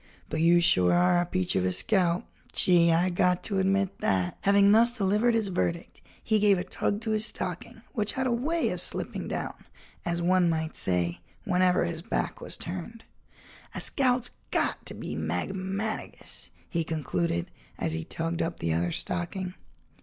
But you sure are a peach of a scout—gee, I got to admit that." Having thus delivered his verdict, he gave a tug to his stocking which had a way of slipping down, as one might say, whenever his back was turned. "A scout's got to be magmanigous," he concluded, as he tugged up the other stocking.